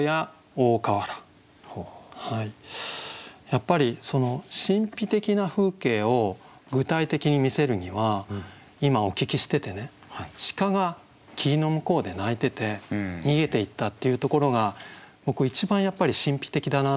やっぱり神秘的な風景を具体的に見せるには今お聞きしててね鹿が霧の向こうで鳴いてて逃げていったっていうところが僕一番やっぱり神秘的だなと思ったんですよ。